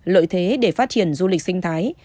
lợi thế để phát triển du lịch sinh thái